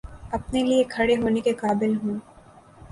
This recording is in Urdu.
اپنے لیے کھڑا ہونے کے قابل ہوں